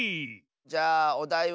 じゃあおだいは「ほ」。